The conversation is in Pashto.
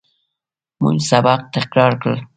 موږ سبق تکرار کړ.